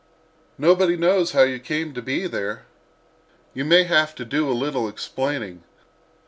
Nobody knows how you came to be there. You may have to do a little explaining.